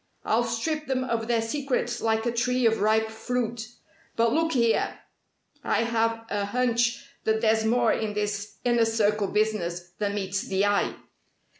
I'll strip them of their secrets like a tree of ripe fruit. But look here, I have a 'hunch' that there's more in this Inner Circle business than meets the eye.